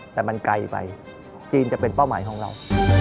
แต่มันไกลไปจีนจะเป็นเป้าหมายของเรา